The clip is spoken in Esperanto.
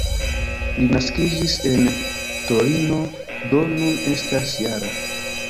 Li naskiĝis en Torino, do nun estas -jara.